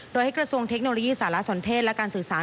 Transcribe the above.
โดยให้กระทรวงเทคโนโลยีสารสนเทศและการสื่อสาร